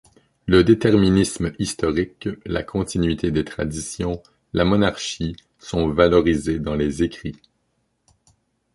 Le déterminisme historique, la continuité des traditions, la monarchie sont valorisés dans les écrits.